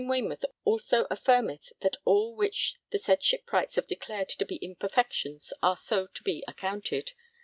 Waymouth also affirmeth that all which the said Shipwrights have declared to be imperfections are so to be accounted.